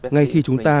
ngay khi chúng ta